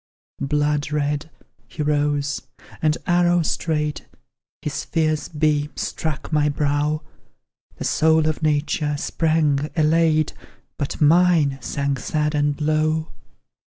Blood red, he rose, and, arrow straight, His fierce beams struck my brow; The soul of nature sprang, elate, But mine sank sad and low!